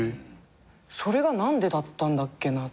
それが何でだったんだっけなと思って。